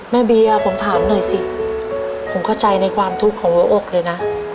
เบียร์ผมถามหน่อยสิผมเข้าใจในความทุกข์ของหัวอกเลยนะ